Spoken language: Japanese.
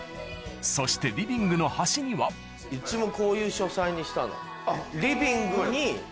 そしてリビングの端にはうちもこういう書斎にしたの。